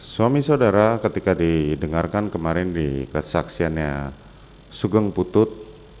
suami saudara ketika didengarkan kemarin di kesaksiannya sugeng putut